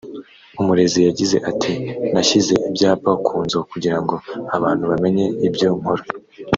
Umurezi yagize ati “Nashyize ibyapa ku nzu kugira ngo abantu bamenye ibyo nkora